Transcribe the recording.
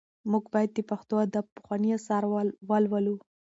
موږ باید د پښتو ادب پخواني اثار ولولو.